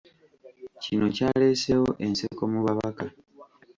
Kino kyaleeseewo enseko mu babaka.